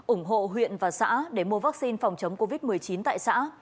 ủng hộ huyện và xã để mua vaccine phòng chống covid một mươi chín tại xã